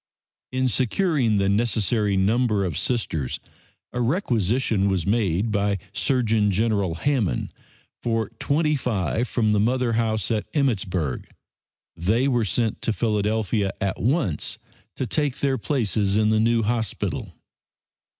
In securing the necessary number of Sisters a requisition was made by Surgeon General Hammond for twenty five from the mother house at Emmittsburg. They were sent to Philadelphia at once to take their places in the new hospital.